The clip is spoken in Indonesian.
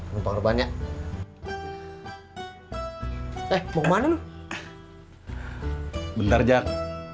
nupang banyak eh mau kemana lu bentar jak